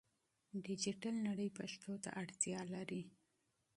ډیجیټل نړۍ پښتو ته اړتیا لري.